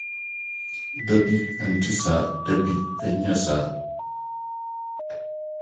Dabi, ɛnte saa Dabi, ɛnyɛ saa